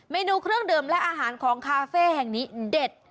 เมนูเครื่องดื่มและอาหารของคาเฟ่แห่งนี้เด็ด